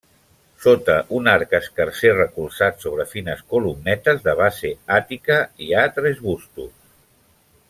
Sota un arc escarser recolzat sobre fines columnetes de base àtica hi ha tres bustos.